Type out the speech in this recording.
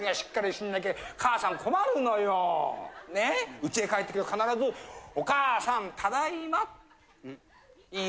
うちへ帰ってきたら必ず「お母さん。ただいま」いい？